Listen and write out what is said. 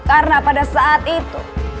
karena pada saat itu